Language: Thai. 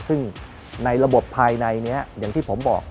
ซึ่งในระบบภายในนี้อย่างที่ผมบอก